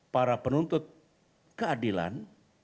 para penuntut keadilan